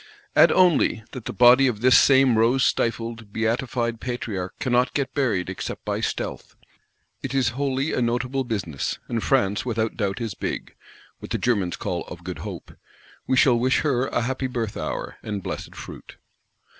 Add only, that the body of this same rose stifled, beatified Patriarch cannot get buried except by stealth. It is wholly a notable business; and France, without doubt, is big (what the Germans call "Of good Hope"): we shall wish her a happy birth hour, and blessed fruit.